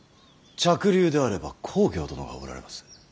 嫡流であれば公暁殿がおられます。